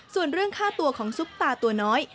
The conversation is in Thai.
ส่วนเรื่องค่าตัวของซุปตาตัวน้อย